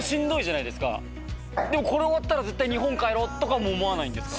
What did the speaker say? これ終わったら日本帰ろうとかも思わないんですか？